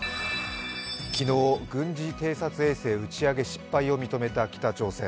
昨日、軍事偵察衛星打ち上げ失敗を認めた北朝鮮。